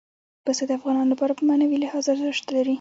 پسه د افغانانو لپاره په معنوي لحاظ ارزښت لري.